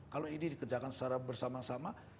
kalau ini dikerjakan secara bersama sama